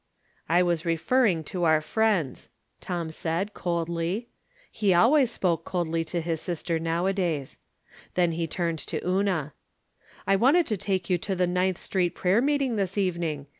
I was referring to our friends," Tom said, coldly. He always spoke coldly to his sister nowadays. Then he turned to Una : "I wanted to take you to the Ninth Street prayer meeting this evening.